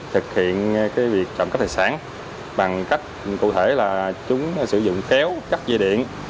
thực hiện việc trộm cắp đại sản bằng cách cụ thể là chúng sử dụng kéo cắp dây điện